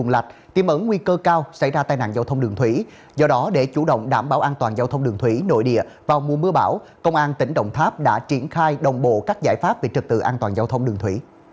là một trong những sự kiện chính